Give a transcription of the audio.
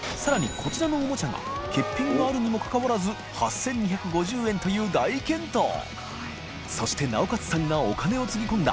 こちらのおもちゃが欠品があるにもかかわらず牽横毅葦澆箸いβ膩鯑磴修靴直克さんがお金をつぎ込んだⅣ